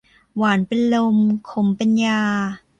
หวานเป็นลม ขมเป็นยา